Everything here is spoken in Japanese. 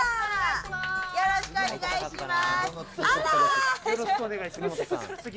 よろしくお願いします。